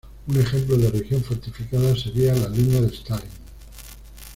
Un ejemplo de región fortificada sería la línea de Stalin.